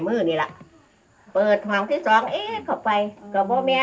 เข้าไปข้างในทะเล